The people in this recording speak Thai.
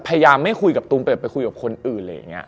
พยายามไม่คุยกับตูมไปแบบไปคุยกับคนอื่นอะไรอย่างนี้